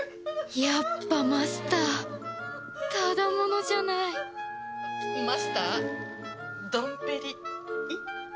やっぱマスターただ者じゃないマスタードンペリ１本。